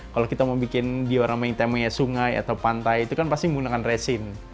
kalau kita mau bikin diorama yang temanya sungai atau pantai itu kan pasti menggunakan resin